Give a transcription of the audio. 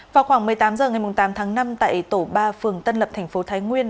vào khoảng một mươi tám h ngày tám tháng năm tại tổ ba phường tân lập thành phố thái nguyên